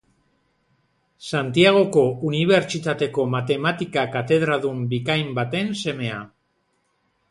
Santiagoko Unibertsitateko matematika-katedradun bikain baten semea.